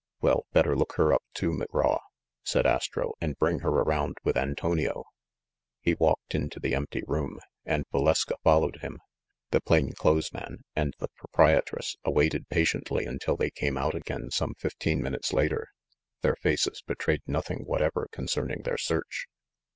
"Well, better look her up too, McGraw," said Astro, "and bring her around with' Antonio." He walked into the empty room, and Valeska fol lowed him. The plain clothes man and the proprietress THE MACDOUGAL STREET AFFAIR 57 awaited patiently until they came out again, some fifteen minutes later. Their faces betrayed nothing whatever concerning their search.